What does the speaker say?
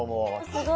すごい。